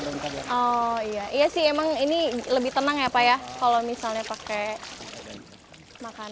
oh iya iya sih emang ini lebih tenang ya pak ya kalau misalnya pakai makanan